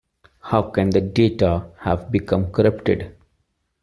How can the data have become corrupted?